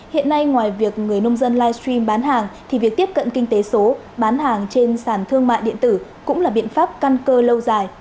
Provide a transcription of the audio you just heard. hiện nay ngoài việc người nông dân livestream bán hàng thì việc tiếp cận kinh tế số bán hàng trên sàn thương mại điện tử cũng là biện pháp căn cơ lâu dài